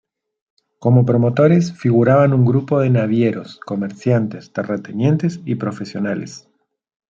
Como promotores figuraban un grupo de navieros, comerciantes, terratenientes y profesionales.